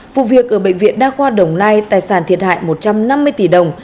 vụ việc ở bệnh viện đa khoa đồng nai tài sản thiệt hại một trăm năm mươi tỷ đồng